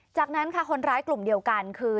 จากนั้นค่ะคนร้ายกลุ่มเดียวกันคือ